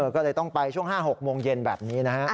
ก็เลยต้องไปช่วง๕๖โมงเย็นแบบนี้นะฮะ